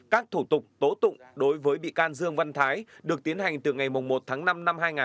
các thủ tục tố tụng đối với bị can dương văn thái được tiến hành từ ngày một tháng năm năm hai nghìn hai mươi ba